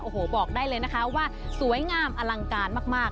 โอ้โหบอกได้เลยนะคะว่าสวยงามอลังการมาก